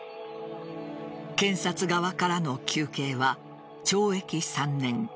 検察側からの求刑は、懲役３年。